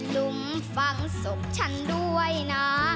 ลุงฟังศพฉันด้วยนะ